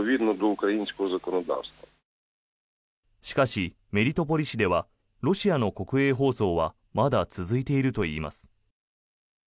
しかし、メリトポリ市ではロシアの国営放送はまだ続いているといいます。